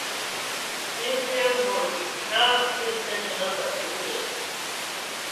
მისი ამბოხი ჩაახშეს და დააპატიმრეს.